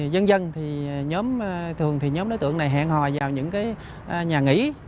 dân dân thì nhóm thường thì nhóm đối tượng này hẹn hò vào những cái nhà nghỉ